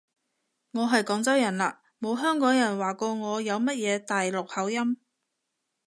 我係廣州人啦，冇香港人話過我有乜嘢大陸口音